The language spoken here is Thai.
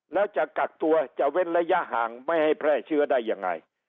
แล้วจะกักตัวจะเว้นระยะห่างไม่ให้แพร่เชื้อได้ยังไง